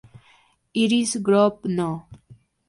Irish Grove No.